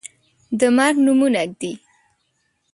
د مرګ نومونه ږدي